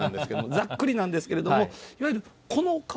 ざっくりなんですけどいわゆる、この顔